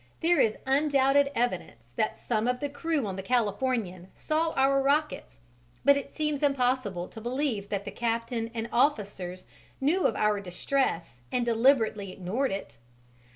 There is undoubted evidence that some of the crew on the Californian saw our rockets; but it seems impossible to believe that the captain and officers knew of our distress and deliberately ignored it.